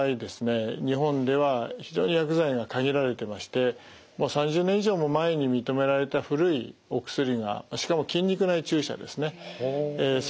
日本では非常に薬剤が限られてましてもう３０年以上も前に認められた古いお薬がしかも筋肉内注射ですね。